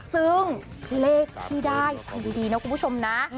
ซึ่งเลขที่ได้ดีนะครับคุณผู้ชมนะ